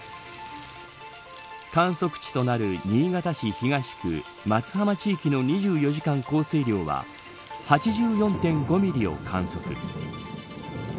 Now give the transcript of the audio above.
観測値となる新潟市東区松浜地域の２４時間降水量は８４．５ミリを観測。